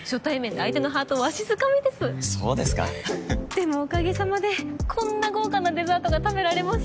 でもおかげさまでこんな豪華なデザートが食べられます。